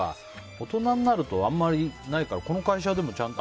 大人になると、あんまりないからこの会社はちゃんと。